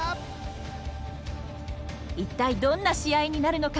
一体どんな試合になるのか？